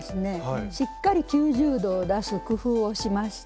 しっかり９０度を出す工夫をしました。